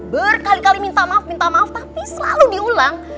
berkali kali minta maaf minta maaf tapi selalu diulang